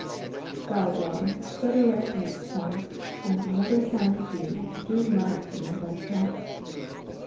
Well, well, better luck .next .time, and another time too, do mind me, Redcap".